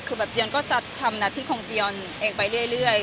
คือแบบเจียนก็จะทำหน้าที่ของเจียนเองไปเรื่อย